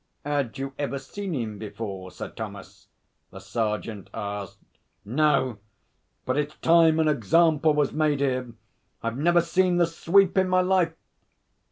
''Ad you ever seen 'im before, Sir Thomas?' the sergeant asked. 'No! But it's time an example was made here. I've never seen the sweep in my life.'